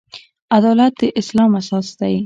عدالت د اسلام اساس دی